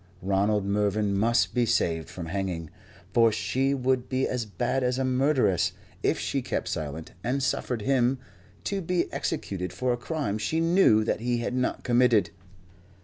Ronald Mervyn must be saved from hanging, for she would be as bad as a murderess if she kept silent and suffered him to be executed for a crime she knew that he had not committed.